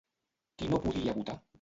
Qui no podia votar?